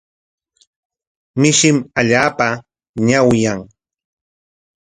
Mishim allaapa ñawyan.